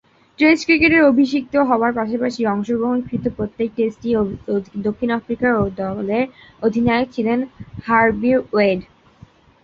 Test ক্রিকেটে অভিষিক্ত হবার পাশাপাশি অংশগ্রহণকৃত প্রত্যেক টেস্টেই দক্ষিণ আফ্রিকা দলের অধিনায়ক ছিলেন হার্বি ওয়েড।